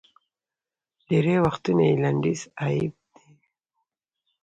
ډېری وختونه یې لنډیز اېب دی